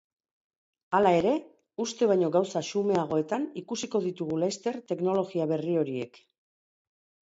Hala ere, uste baino gauza xumeagoetan ikusiko ditugu laster teknologia berri horiek.